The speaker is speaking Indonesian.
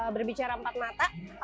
berbicara empat mata